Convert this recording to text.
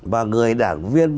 và người đảng viên